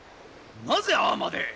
なぜああまで。